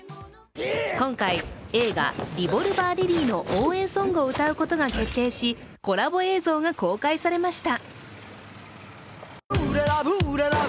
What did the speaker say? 今回、映画「リボルバー・リリー」の応援ソングを歌うことが決定し、コラボ映像が公開されました。